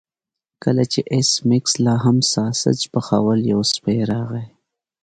کله چې ایس میکس لاهم ساسج پخول یو سپی راغی